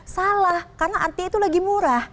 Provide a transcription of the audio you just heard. salah karena artinya itu lagi murah